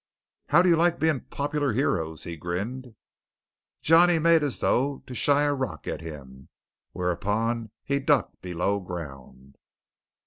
"How do you like being popular heroes?" he grinned. Johnny made as though to shy a rock at him, whereupon he ducked below ground.